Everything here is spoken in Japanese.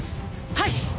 はい！